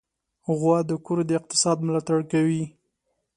غوا د کور د اقتصاد ملاتړ کوي.